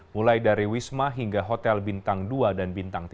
mulai dari wisma hingga hotel bintang dua dan bintang tiga